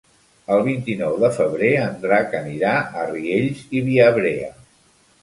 El vint-i-nou de febrer en Drac anirà a Riells i Viabrea.